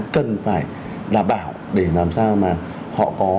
cần phải đảm bảo để làm sao mà họ có